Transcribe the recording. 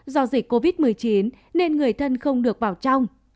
do dịch covid một mươi chín nên người thân không được vào trong